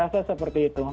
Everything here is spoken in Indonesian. saya rasa seperti itu